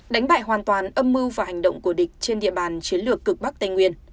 đánh bại hoàn toàn âm mưu và hành động của địch trên địa bàn chiến lược cực bắc tây nguyên